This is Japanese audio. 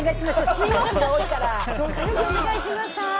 水曜日が多いから、火曜日お願いします。